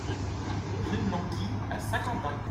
Rue Blanqui à Saint-Quentin